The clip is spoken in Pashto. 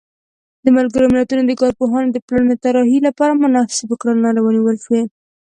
د ملګرو ملتونو د کارپوهانو د پلانونو طرحې لپاره مناسبې کړنلارې ونیول شوې.